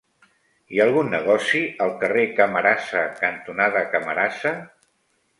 Hi ha algun negoci al carrer Camarasa cantonada Camarasa?